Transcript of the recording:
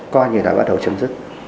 coi như đã bắt đầu chấm dứt